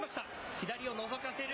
左をのぞかせる。